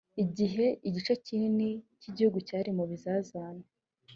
gihe igice kinini k igihugu cyari mu bizazane